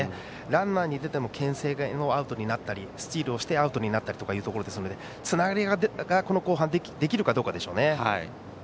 ランナ−が出てもけん制でアウトになったりスチールをしてアウトになるというところですのでつながりが後半にできるかどうかでしょうね。